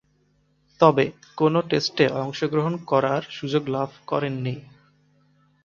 তবে, কোন টেস্টে অংশগ্রহণ করার সুযোগ লাভ করেননি।